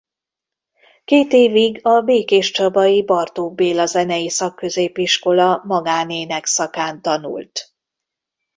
Két évig a Békéscsabai Bartók Béla Zenei Szakközépiskola magánének szakán tanult.